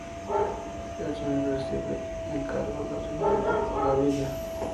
Eminescu recibe como encargo la región de Moldavia.